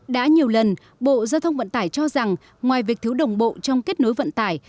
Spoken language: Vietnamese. đã nhiều lần bộ giao thông vận tải cho rằng ngoài việc thiếu đồng bộ trong kết nối vận tải